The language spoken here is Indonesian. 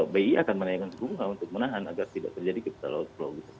bi akan menaikkan suku bunga untuk menahan agar tidak terjadi capital outflow